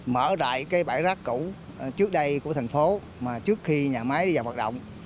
mở lại cái bãi rác cũ trước đây của thành phố mà trước khi nhà máy đi vào hoạt động